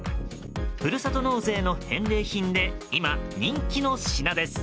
ふるさと納税の返礼品で今、人気の品です。